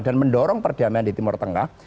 dan mendorong perdamaian di timur tengah